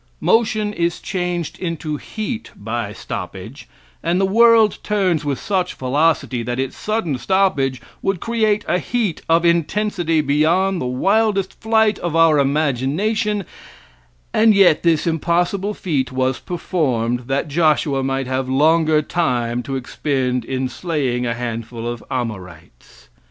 Motion is changed into heat by stoppage, and the world turns with such velocity that its sudden stoppage would create a heat of intensity beyond the wildest flight of our imagination, and yet this impossible feat was performed that Joshua might have longer time to expend in slaying a handful of Amorites.